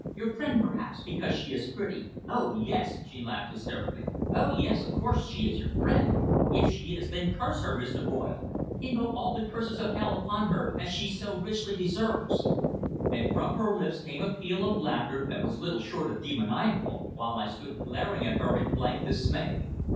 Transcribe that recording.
Your friend, perhaps, because she is pretty. Oh, yes!" she laughed, hysterically. "Oh, yes! Of course, she is your friend. If she is then curse her, Mr. Royle invoke all the curses of hell upon her, as she so richly deserves!" And from her lips came a peal of laughter that was little short of demoniacal, while I stood glaring at her in blank dismay.